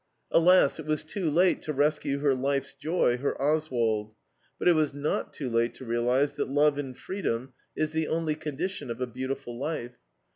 Alas, it was too late to rescue her life's joy, her Oswald; but not too late to realize that love in freedom is the only condition of a beautiful life.